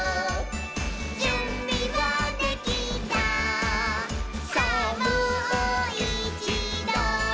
「じゅんびはできたさぁもういちど」